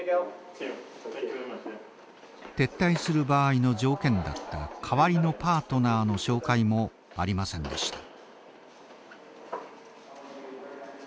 撤退する場合の条件だった代わりのパートナーの紹介もありませんでした。